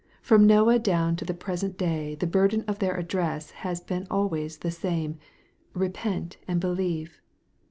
From Noah down to the present day the burden of their address has been always the eame " Repent and believe."